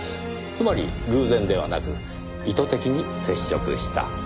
つまり偶然ではなく意図的に接触した。